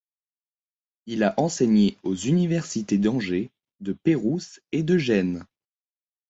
Il a enseigné aux université d'Angers, de Pérouse et de Gènes.